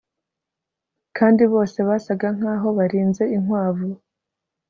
kandi bose basaga nkaho barinze inkwavu